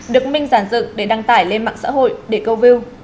được minh giàn dựng để đăng tải lên mạng xã hội để câu view